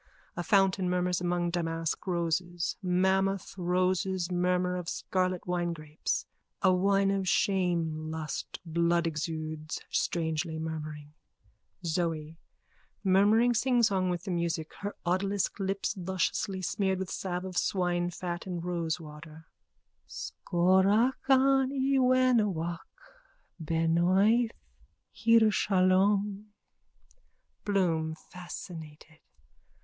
A fountain murmurs among damask roses. Mammoth roses murmur of scarlet winegrapes. A wine of shame, lust, blood exudes, strangely murmuring.)_ ZOE: _(Murmuring singsong with the music, her odalisk lips lusciously smeared with salve of swinefat and rosewater.) Schorach ani wenowach, benoith Hierushaloim._ BLOOM: _(Fascinated.)